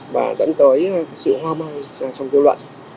và dẫn tới sự hoa mau trong tiêu luận